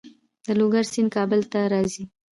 د لوګر سیند کابل ته راځي